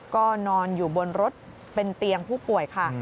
ก็นอนอยู่บนรถเป็นเตียงผู้ป่วยค่ะ